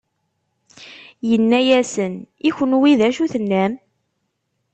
Inna-asen: I kenwi, d acu i tennam?